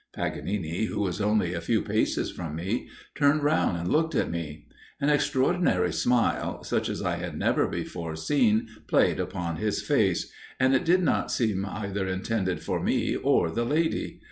Paganini, who was only a few paces from me, turned round and looked at me. An extraordinary smile, such as I had never before seen, played upon his face; but it did not seem either intended for me or the lady.